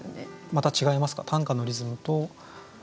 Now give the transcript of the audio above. また違いますか？